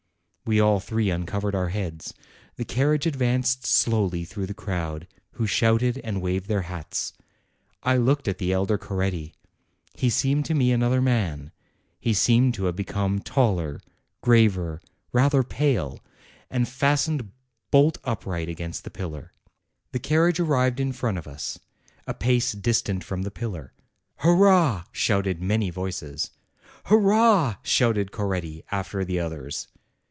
We all three uncovered our heads. The carriage advanced slowly through the crowd, who shouted and waved their hats. I looked at the elder Coretti. He seemed to me another man ; he seemed to have become taller, graver, rather pale, and fastened bolt upright against the pillar. The carriage arrived in front of us, a pace distant from the pillar. "Hurrah !" shouted many voices. "Hurrah!" shouted Coretti, after the others.